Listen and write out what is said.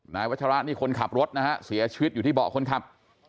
วัชระนี่คนขับรถนะฮะเสียชีวิตอยู่ที่เบาะคนขับ